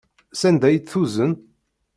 Sanda ay tt-tuzen?